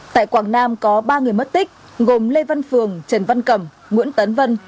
tại quảng nam có ba người mất tích gồm lê văn phường trần văn cẩm nguyễn tấn vân